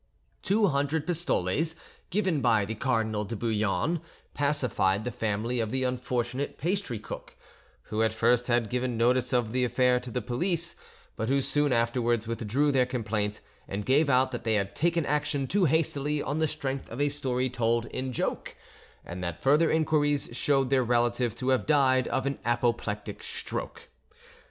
Two hundred pistoles, given by the Cardinal de Bouillon, pacified the family of the unfortunate pastry cook, who at first had given notice of the affair to the police, but who soon afterwards withdrew their complaint, and gave out that they had taken action too hastily on the strength of a story told in joke, and that further inquiries showed their relative to have died of an apoplectic stroke.